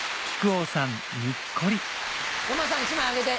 山田さん１枚あげて。